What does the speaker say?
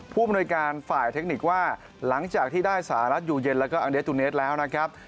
ผู้มนุยการฝ่ายเทคนิคว่าหลังจากที่ได้สหรัฐอยู่เย็นแล้วก็อเนสตูเนสแล้วนะครับ